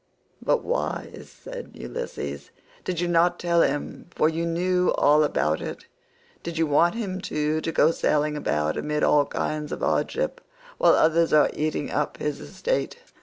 125 "But why," said Ulysses, "did you not tell him, for you knew all about it? Did you want him too to go sailing about amid all kinds of hardship while others are eating up his estate?"